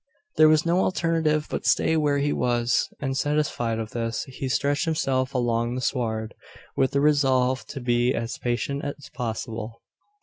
There was no alternative but stay where he was; and, satisfied of this, he stretched himself along the sward, with the resolve to be as patient as possible.